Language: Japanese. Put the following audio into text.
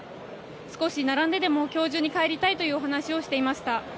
少し並んででも今日中に帰りたいというお話をしていました。